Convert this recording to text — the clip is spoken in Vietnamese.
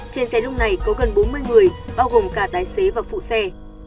trên xe lúc này có gần bốn mươi người bao gồm cả tài xế và phụ xe